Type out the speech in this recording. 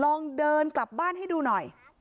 ลองเดินกลับบ้านให้ดูหน่อย